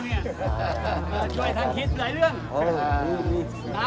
พี่พ่อกลับไปชะเทศนะพี่พ่อกลับไปชะเทศนะ